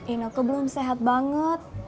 inek ke belum sehat banget